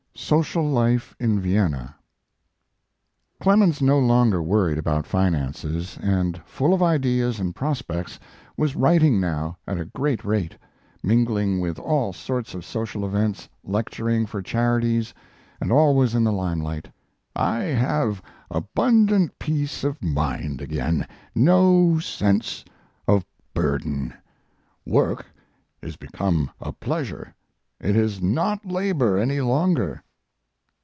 SOCIAL LIFE IN VIENNA Clemens, no longer worried about finances and full of ideas and prospects, was writing now at a great rate, mingling with all sorts of social events, lecturing for charities, and always in the lime light. I have abundant peace of mind again no sense of burden. Work is become a pleasure it is not labor any longer.